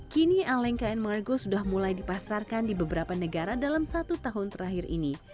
kini alenka and margo sudah mulai dipasarkan di beberapa negara dalam satu tahun terakhir ini